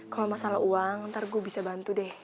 kalau masalah uang ntar gue bisa bantu deh